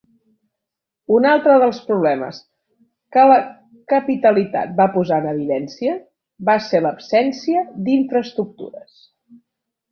Un altre dels problemes que la capitalitat va posar en evidència va ser l'absència d'infraestructures.